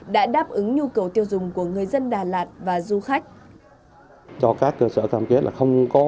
đã đáp ứng nhu cầu tiêu dùng của người dân đà lạt và du khách